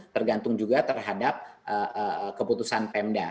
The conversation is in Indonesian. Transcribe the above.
tergantung juga terhadap keputusan pemda